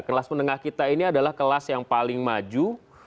kelas menengah kita ini adalah kelas yang paling maju